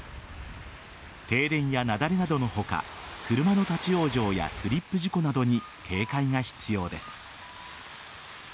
停電や雪崩などの他車の立ち往生やスリップ事故などに警戒が必要です。